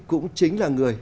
cũng chính là người